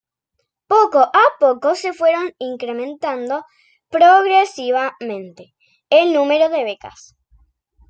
Poco a poco se fueron incrementando progresivamente el número de becas.